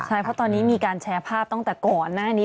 ใช่เพราะตอนนี้มีการแชร์ภาพตั้งแต่ก่อนหน้านี้